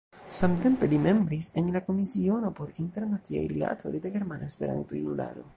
Samtempe li membris en la Komisiono por Internaciaj Rilatoj de Germana Esperanto-Junularo.